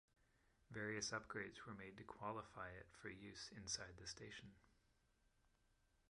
Various upgrades were made to qualify it for use inside the station.